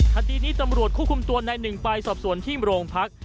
คดีนี้ตำรวจควบคุมตัวนายหนึ่งไปสอบสวนที่โรงพัก